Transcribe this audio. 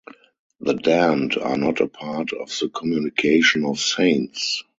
The damned are not a part of the communion of saints.